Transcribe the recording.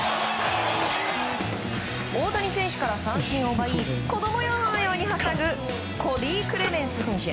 大谷選手から三振を奪い子供のようにはしゃぐコリー・クレメンス選手